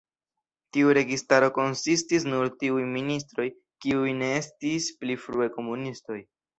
Tiu registaro konsistis nur tiuj ministroj, kiuj ne estis pli frue komunistoj.